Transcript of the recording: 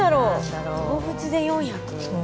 動物で４００。